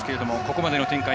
ここまでの展開